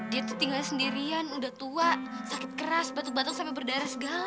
dia tuh tinggal sendirian udah tua sakit keras batuk batuk sampai berdarah segala